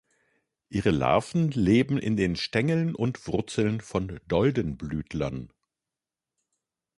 Ihre Larven leben in den Stängeln und Wurzeln von Doldenblütlern.